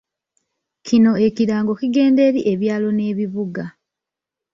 Kino ekirango kigenda eri ebyalo n’ebibuga.